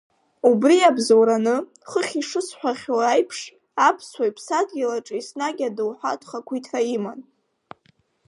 Убри иабзоураны, хыхь ишысҳәахьоу аиԥш, аԥсуа иԥсадгьыл аҿы еснагь адоуҳатә хақәиҭра иман.